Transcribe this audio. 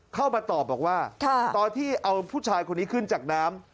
เข้ามาตอบบอกว่าตอนที่เอาผู้ชายคนนี้ขึ้นจากน้ำ